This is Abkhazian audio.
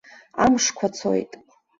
Амшқәа цоит.